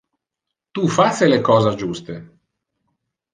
Tu face le cosa juste.